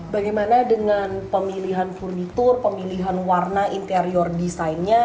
bagaimana dengan pemilihan furnitur pemilihan warna interior desainnya